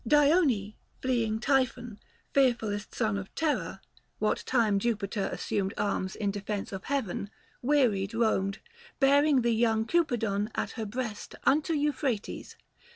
480 Dione fleeing Typhon, fearfullest son Of Terra, what time Jupiter assumed Arms in defence of heaven ; wearied roamed, Bearing the young Cupidon at her breast, Unto Euphrates.